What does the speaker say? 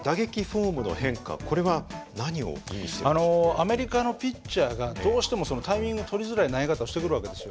アメリカのピッチャーがどうしてもタイミングとりづらい投げ方をしてくる訳ですよ。